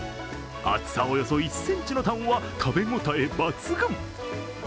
厚さおよそ１ｃｍのタンは食べ応え抜群。